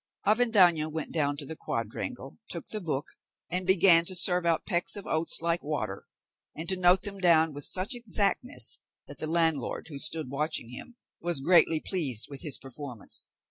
Avendaño went down to the quadrangle, took the book, and began to serve out pecks of oats like water, and to note them down with such exactness that the landlord, who stood watching him, was greatly pleased with his performance.